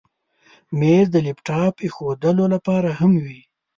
مېز د لپټاپ ایښودلو لپاره هم وي.